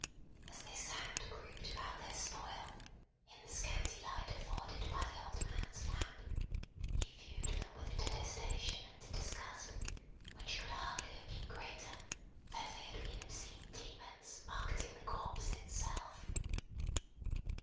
As they sat grouped about their spoil, in the scanty light afforded by the old man's lamp, he viewed them with a detestation and disgust, which could hardly have been greater, though they had been obscene demons, marketing the corpse itself.